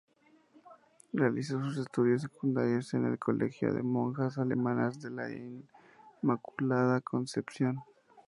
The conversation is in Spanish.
Realizó sus estudios secundarios en el Colegio de Monjas Alemanas de la Inmaculada Concepción.